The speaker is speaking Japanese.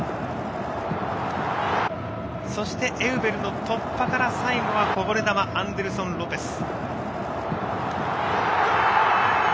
そしてエウベルの突破から最後、こぼれ球アンデルソン・ロペス。